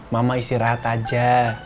mama istirahat aja